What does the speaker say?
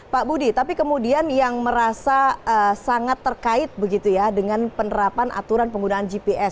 pak budi tapi kemudian yang merasa sangat terkait begitu ya dengan penerapan aturan penggunaan gps